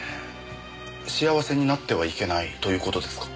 幸せになってはいけないという事ですか？